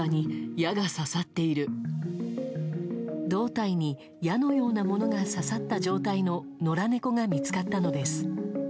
胴体に矢のようなものが刺さった状態の野良猫が見つかったのです。